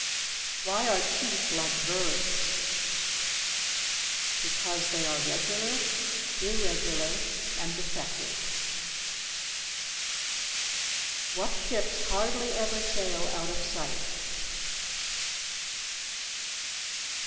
Why are teeth like verbs? Because they are regular, irregular, and defective. What ships hardly ever sail out of sight?